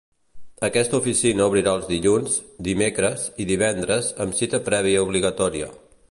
Aquesta oficina obrirà els dilluns, dimecres i divendres amb cita prèvia obligatòria.